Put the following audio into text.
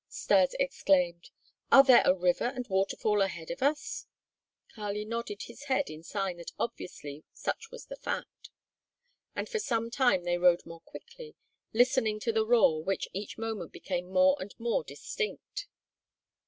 Stas exclaimed. "Are there a river and waterfall ahead of us?" Kali nodded his head in sign that obviously such was the fact. And for some time they rode more quickly, listening to the roar which each moment became more and more distinct.